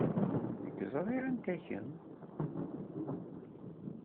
Nekk ẓriɣ anta kemm.